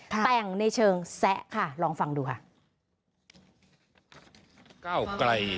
แต่งในเชิงแซะค่ะลองฟังดูค่ะ